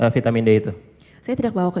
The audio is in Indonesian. vitamin d itu saya tidak bawa ke